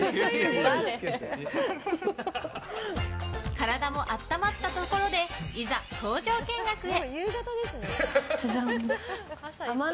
体も温まったところでいざ、工場見学へ。